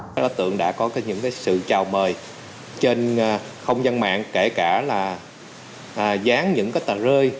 các đối tượng đã có những sự chào mời trên không gian mạng kể cả là dán những tờ rơi